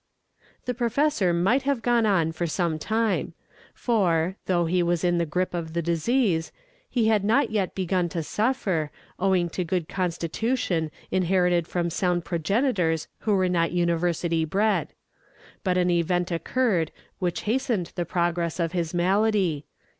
The professor might have gone on for some time; for, though he was in the grip of the disease, he had not yet begun to suffer, owing to a good constitution inherited from sound progenitors who were not university bred. But an event occurred which hastened the progress of his malady.